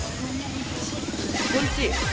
おいしい。